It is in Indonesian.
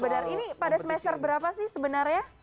benar ini pada semester berapa sih sebenarnya